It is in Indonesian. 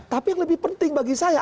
tapi yang lebih penting bagi saya